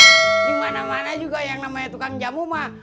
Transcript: dimana mana juga yang namanya tukang jamu mah